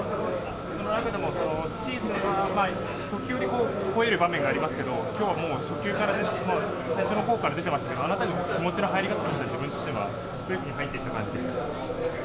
その中でもシーズンは時折吠える場面がありますけれども、きょうはもう初球から、最初のほうから出てましたけど、あのへん、気持ちの入り方って、自分自身はどういうふうに入っていった感じですか。